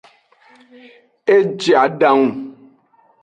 E je adangu.